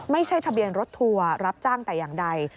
ไม่ใช่ทะเบียนรถทัวร์รับจ้างแต่อย่างใด